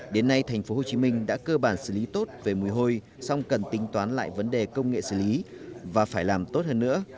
đến nay thành phố hồ chí minh đã cơ bản xử lý tốt về mùi hôi xong cần tính toán lại vấn đề công nghệ xử lý và phải làm tốt hơn nữa